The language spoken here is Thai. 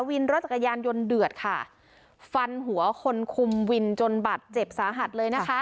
วินรถจักรยานยนต์เดือดค่ะฟันหัวคนคุมวินจนบัตรเจ็บสาหัสเลยนะคะ